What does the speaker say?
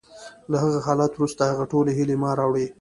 له هغه حالت وروسته، هغه ټولې هیلې ما راوړې